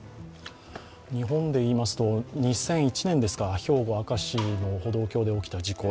日本で言いますと、２００１年ですか兵庫明石市の歩道橋で起きた事故。